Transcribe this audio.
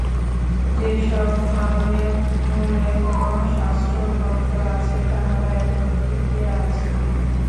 যে-সব ধর্মের মূলে কোন শাস্ত্রগ্রন্থ আছে, তাহারা এখনও টিকিয়া আছে।